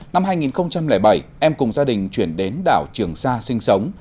năm hai nghìn bảy em cùng gia đình chuyển đến đảo trường sa sinh sống